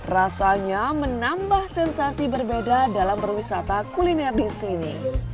rasanya menambah sensasi berbeda dalam berwisata kuliner di sini